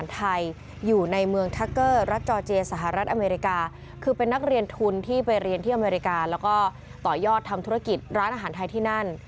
ที่อเมริกาแล้วก็ต่อยอดทำธุรกิจร้านอาหารไทยที่นั่น